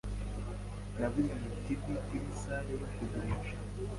Naguze iyi TV kuri sale yo kugurisha.